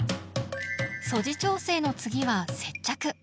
素地調整の次は接着。